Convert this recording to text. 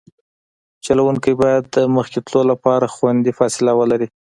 چلوونکی باید د مخکې تلو لپاره خوندي فاصله ولري